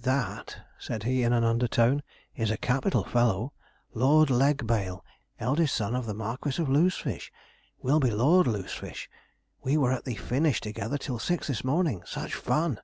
'That,' said he, in an undertone, 'is a capital fellow Lord Legbail, eldest son of the Marquis of Loosefish will be Lord Loosefish. We were at the Finish together till six this morning such fun!